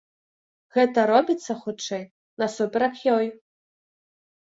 Гэта робіцца, хутчэй, насуперак ёй.